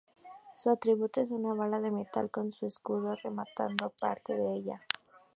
Su atributo es una vara de metal con su escudo rematando la parte alta.